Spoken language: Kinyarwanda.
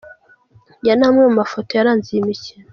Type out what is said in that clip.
Aya ni amwe mu mafoto yaranze iyo mikino.